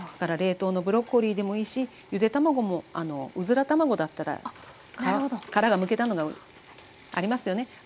冷凍のブロッコリーでもいいしゆで卵もあのうずら卵だったら殻がむけたのがありますよね。